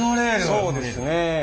そうですね。